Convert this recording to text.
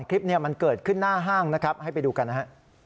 คลิปนี้มันเกิดขึ้นหน้าห้างนะครับให้ไปดูกันนะฮะ